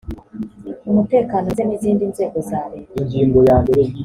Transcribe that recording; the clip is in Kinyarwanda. umutekano ndetse n izindi nzego za leta